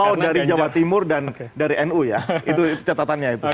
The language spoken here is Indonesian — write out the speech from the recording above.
kalau dari jawa timur dan dari nu ya itu catatannya itu